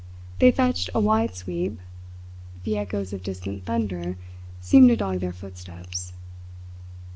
They fetched a wide sweep. The echoes of distant thunder seemed to dog their footsteps.